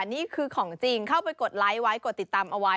นี่คือของจริงเข้าไปกดไลค์ไว้กดติดตามเอาไว้